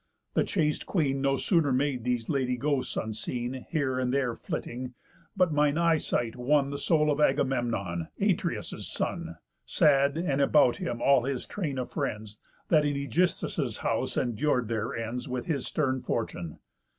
The chaste Queen No sooner made these lady ghosts unseen, Here and there flitting, but mine eyesight won The soul of Agamemnon, Atreus' son, Sad, and about him all his train of friends, That in Ægisthus' house endur'd their ends With his stern fortune.